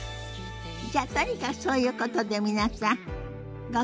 じゃあとにかくそういうことで皆さんごきげんよう。